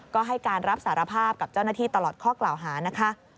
ก็ให้การรับสารภาพกับเจ้าหน้าที่ตลอดข้อกล่าวหานะคะ